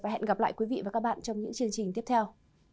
hẹn gặp lại quý vị và các bạn trong những chương trình tiếp theo